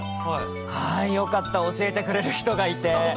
はい、よかった、教えてくれる人がいて。